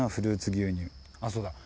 あそうだ。